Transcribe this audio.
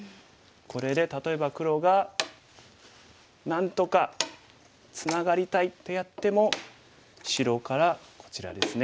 これで例えば黒がなんとかツナがりたいとやっても白からこちらですね。